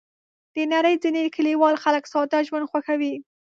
د نړۍ ځینې کلیوال خلک ساده ژوند خوښوي.